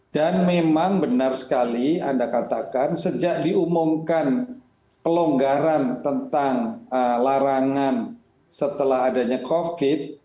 dan memang benar sekali anda katakan sejak diumumkan pelonggaran tentang larangan setelah adanya covid